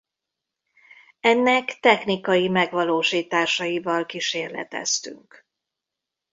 Ennek technikai megvalósításaival kísérleteztünk.